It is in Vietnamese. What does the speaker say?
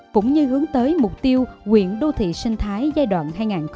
cũng như hướng tới mục tiêu quyển đô thị sinh thái giai đoạn hai nghìn hai mươi